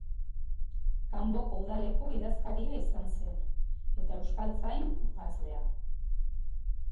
Kanboko udaleko idazkaria izan zen, eta euskaltzain urgazlea.